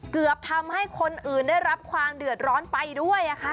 เกือบทำให้คนอื่นได้รับความเดือดร้อนไปด้วยค่ะ